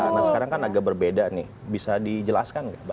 nah sekarang kan agak berbeda nih bisa dijelaskan nggak